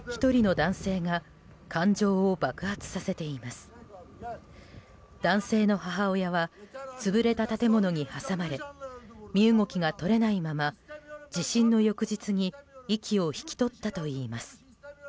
男性の母親は潰れた建物に挟まれ身動きが取れないまま地震の翌日に息を引き取ったといいます。